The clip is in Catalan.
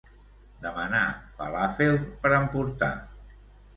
Demanar falàfel per emportar.